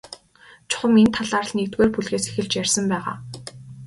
Чухам энэ талаар л нэгдүгээр бүлгээс эхэлж ярьсан байгаа.